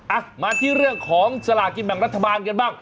อ่ะมาที่เรื่องของสลากินแบ่งรัฐบาลกันบ้าง